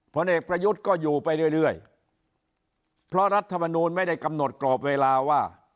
ผลเอกประยุทธ์ก็อยู่ไปเรื่อยเพราะรัฐมนูลไม่ได้กำหนดกรอบเวลาว่า